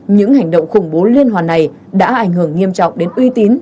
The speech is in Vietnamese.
những hành động khủng bố liên hoàn này đã ảnh hưởng nghiêm trọng đến uy tín